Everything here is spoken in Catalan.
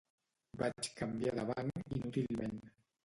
Vaig canviar de banc inútilment.